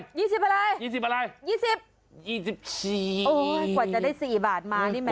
๒๔โอ้โหกว่าจะได้๔บาทมานี่แม่โอ้โห